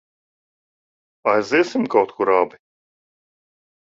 Aiziesim kaut kur abi?